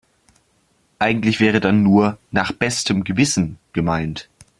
Eigentlich wäre dann nur "nach bestem Gewissen" gemeint.